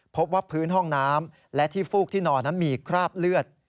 พบว่าพื้นห้องน้ำและที่ฟูกที่นอนนั้นมีคราบเลือด